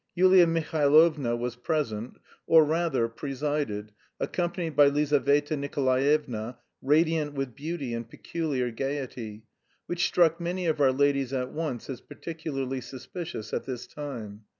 Yulia Mihailovna was present, or, rather, presided, accompanied by Lizaveta Nikolaevna, radiant with beauty and peculiar gaiety, which struck many of our ladies at once as particularly suspicious at this time.